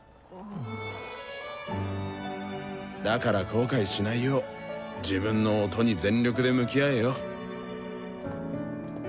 だから後悔しないよう自分の「音」に全力で向き合えよ！